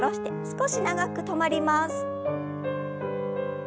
少し長く止まります。